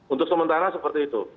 untuk sementara seperti itu